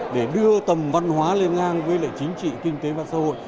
để đưa tầm văn hóa lên ngang với lệ chính trị kinh tế và xã hội